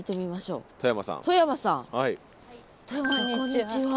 外山さんこんにちは。